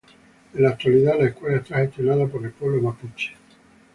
En la actualidad la escuela está gestionada por el Pueblo Mapuche.